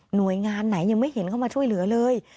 หน่วยงานไหนยังไม่เห็นเข้ามาช่วยเหลือเลย